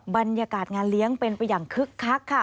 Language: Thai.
บรรยากาศงานเลี้ยงเป็นไปอย่างคึกคักค่ะ